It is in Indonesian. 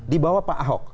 di bawah pak ahok